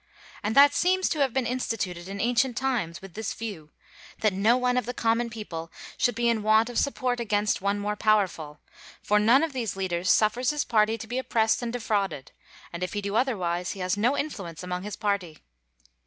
And that seems to have been instituted in ancient times with this view, that no one of the common people should be in want of support against one more powerful; for none of those leaders suffers his party to be oppressed and defrauded, and if he do otherwise, he has no influence among his party.